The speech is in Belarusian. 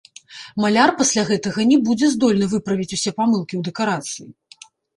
Маляр пасля гэтага не будзе здольны выправіць усе памылкі ў дэкарацыі!